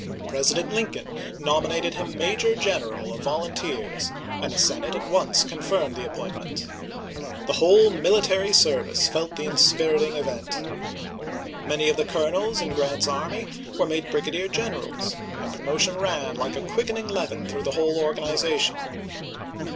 President Lincoln nominated him major general of volunteers, and the Senate at once confirmed the appointment. The whole military service felt the inspiriting event. Many of the colonels in Grant's army were made brigadier gen erals; and promotion ran, like a quickening leaven, through the whole organization.